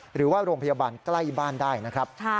หรือว่าโรงพยาบาลใกล้บ้านได้นะครับ